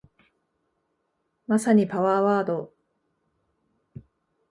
まさにパワーワード